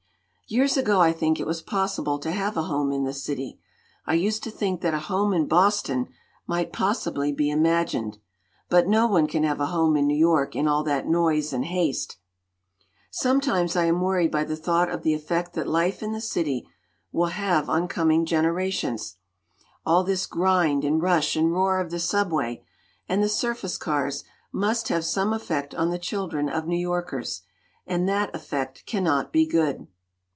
"Years ago, I think, it was possible to have a home in the city. I used to think that a home in Boston might possibly be imagined. But no one can have a home in New York in all that noise and haste. "Sometimes I am worried by the thought of the effect that life in the city will have on coming 214 CITY LIFE VS. LITERATURE generations. All this grind and rush and roar of the Subway and the surface cars must have some effect on the children of New Yorkers. And that effect cannot be good.